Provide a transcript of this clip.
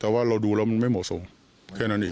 แต่ว่าเราดูแล้วมันไม่เหมาะสมแค่นั้นอีก